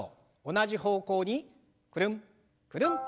同じ方向にくるんくるんと